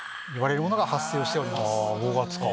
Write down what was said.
５月か。